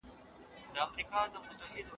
زه به تر بل کال پورې یو فلم جوړ کړم.